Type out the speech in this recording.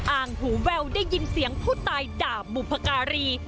อ่างหูแววได้ยินเสียงผู้ตายด่าบุพการี